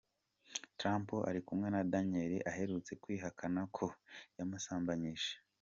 Trump ari kumwe na Daniels aherutse kwihakana ko yamusambanyije.